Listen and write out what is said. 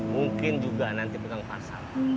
mungkin juga nanti pegang pasar